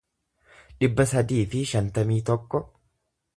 dhibba sadii fi shantamii tokko